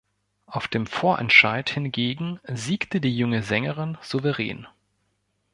Auf dem Vorentscheid hingegen siegte die junge Sängerin souverän.